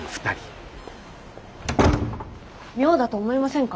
妙だと思いませんか？